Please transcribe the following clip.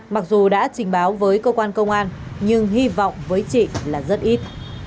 mặc dù đã trình báo với công an nhưng hy vọng với chị là rất ít